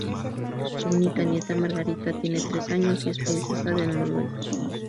Su única nieta Margarita tiene tres años y es princesa de Noruega.